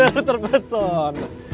ya bener terpesona